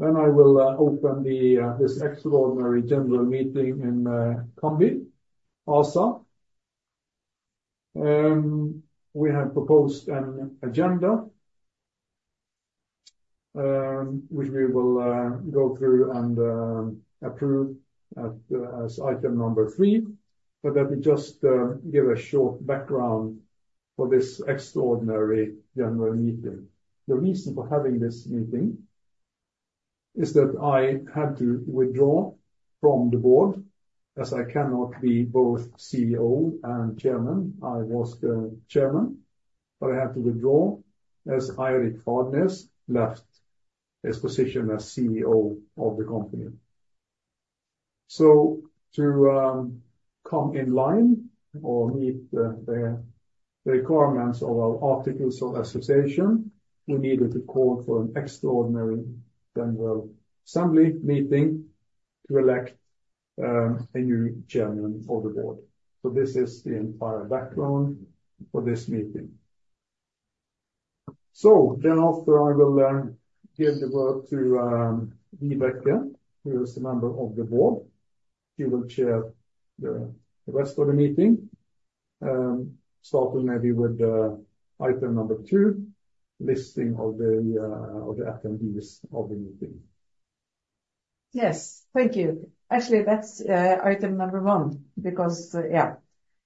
Then I will open this extraordinary general meeting in Cambi ASA. We have proposed an agenda, which we will go through and approve as item number three. But let me just give a short background for this extraordinary general meeting. The reason for having this meeting is that I had to withdraw from the board, as I cannot be both CEO and chairman. I was the chairman, but I had to withdraw as Eirik Fadnes left his position as CEO of the company. So to come in line or meet the requirements of our articles of association, we needed to call for an extraordinary general meeting to elect a new chairman for the board. So this is the entire background for this meeting. So then after, I will give the word to Vibecke, who is a member of the board. She will chair the rest of the meeting, starting maybe with item number two, listing of the attendees of the meeting. Yes. Thank you. Actually, that's item number one. Yeah.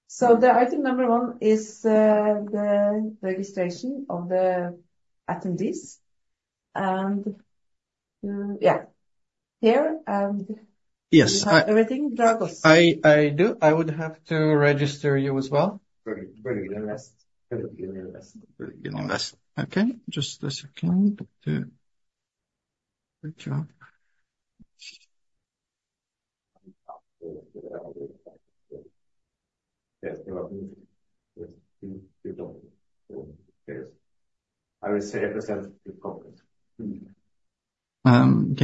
So the item number one is the registration of the attendees, and yeah. Here, and- Yes, I- Everything, Dragos? I do. I would have to register you as well. Verven Invest. Verven Invest. Okay, just a second. Good job. Yes, you are. Yes, you don't. Yes. I will say it again. Can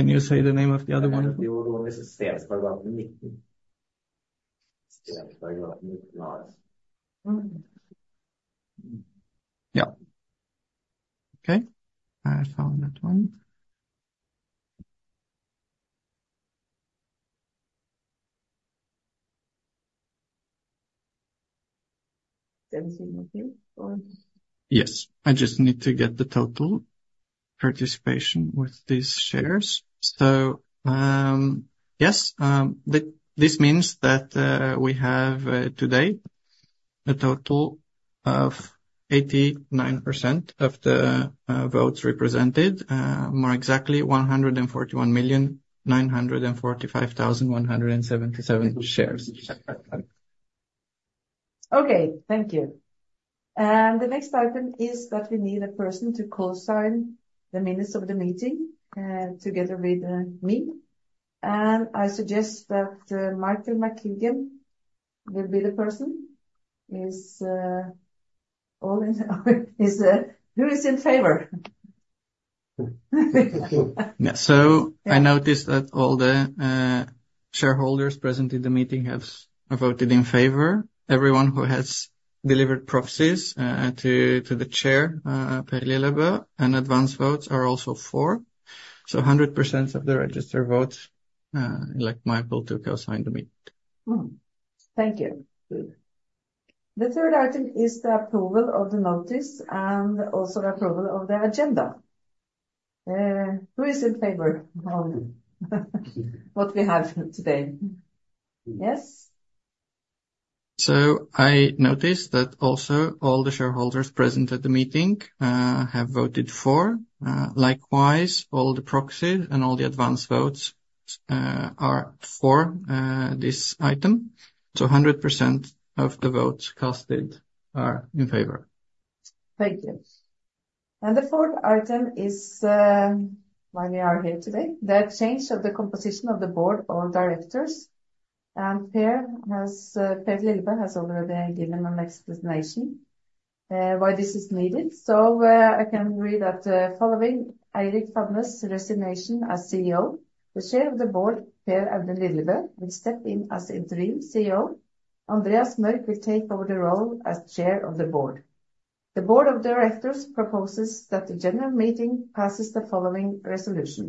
you say the name of the other one? This is CS, but about meeting. Yeah, very well, meeting nice. Yeah. Okay, I found that one. Does it look to you, or? Yes. I just need to get the total participation with these shares. So, yes, this means that we have today a total of 89% of the votes represented, more exactly one hundred and forty-one million, nine hundred and forty-five thousand, one hundred and seventy-seven shares. Okay, thank you. And the next item is that we need a person to co-sign the minutes of the meeting together with me. And I suggest that Michael McKeegan will be the person. Who is in favor? Yeah. So I noticed that all the shareholders present in the meeting have voted in favor. Everyone who has delivered proxies to the chair Per Lillebø, and advance votes are also for. So 100% of the registered votes elect Michael to co-sign the minutes. Thank you. Good. The third item is the approval of the notice and also the approval of the agenda. Who is in favor of what we have today? Yes. I noticed that also, all the shareholders present at the meeting have voted for. Likewise, all the proxies and all the advance votes are for this item, so 100% of the votes casted are in favor. Thank you, and the fourth item is, why we are here today, the change of the composition of the board of directors, and Per has, Per Lillebø has already given an explanation, why this is needed, so I can read that, following Eirik Fadnes' resignation as CEO, the chair of the board, Per Arne Lillebø, will step in as interim CEO. Andreas Mørk will take over the role as chair of the board. The board of directors proposes that the general meeting passes the following resolution: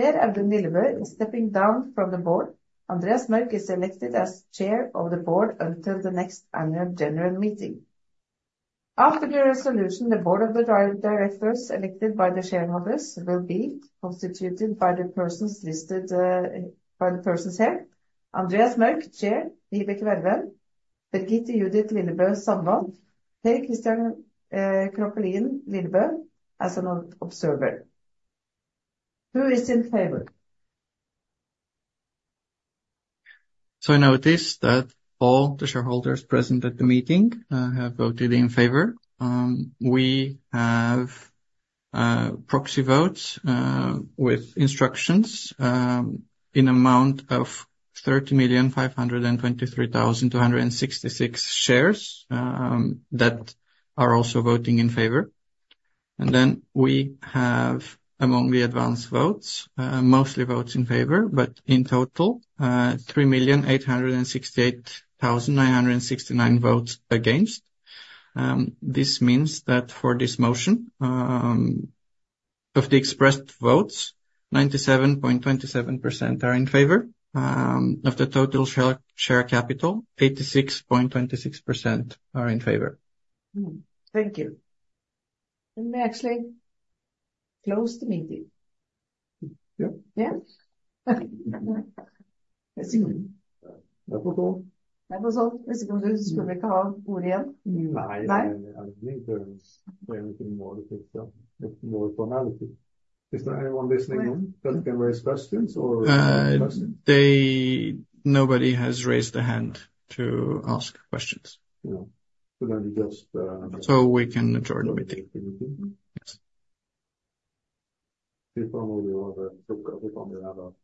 Per Arne Lillebø is stepping down from the board. Andreas Mørk is elected as chair of the board until the next annual general meeting. After the resolution, the board of directors, elected by the shareholders, will be constituted by the persons listed, by the persons here, Andreas Mørk, Chair, Vibeke Stromme, Birgitte Judith Lillebø Sandven, Per Christian Kroglund Lillebø as an observer. Who is in favor? I notice that all the shareholders present at the meeting have voted in favor. We have proxy votes with instructions in amount of thirty million, five hundred and twenty-three thousand, two hundred and sixty-six shares that are also voting in favor. And then we have, among the advance votes, mostly votes in favor, but in total three million, eight hundred and sixty-eight thousand, nine hundred and sixty-nine votes against. This means that for this motion of the expressed votes, 97.27% are in favor. Of the total share capital, 86.26% are in favor. Thank you. Then we actually close the meeting. Yeah. Yes? I see. That was all. That was all. Nice. Bye. I believe there is nothing more to say, no more formality. Is there anyone listening in that can raise questions or- Nobody has raised a hand to ask questions. Yeah. So then we just, So we can adjourn the meeting. Adjourn the meeting. Yes. Informally, we want to look up, look on the other.